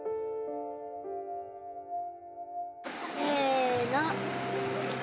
せの。